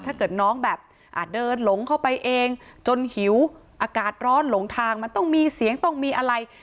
ถ้าเกิดน้องแบบเดินหลงเข้าไปเองจนหิวอากาศร้อนหลงทางมันต้องมีเสียงต้องมีอะไร